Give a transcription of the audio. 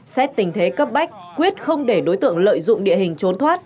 xét tình thế cấp bách quyết không để đối tượng lợi dụng địa hình trốn thoát